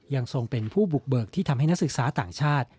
ทรงเป็นผู้บุกเบิกที่ทำให้นักศึกษาต่างชาติ